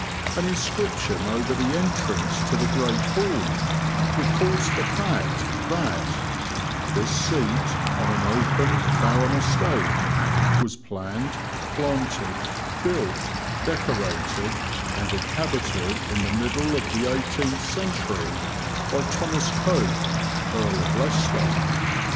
An inscription over the entrance to the Great Hall records the fact that "this seat, on an open, barren estate, was planned, planted, built, decorated and inhabited in the middle of the eighteenth century by Thomas Coke, Earl of Leicester."